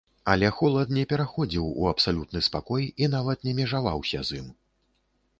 Але холад не пераходзіў у абсалютны спакой і нават не межаваўся з ім.